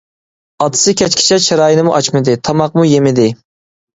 ئاتىسى كەچكىچە چىرايىنىمۇ ئاچمىدى، تاماقمۇ يېمىدى.